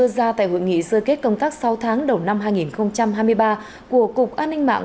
công tác đưa ra tại hội nghị dơ kết công tác sáu tháng đầu năm hai nghìn hai mươi ba của cục an ninh mạng